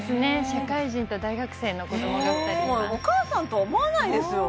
社会人と大学生の子供が２人いますお母さんとは思わないですよ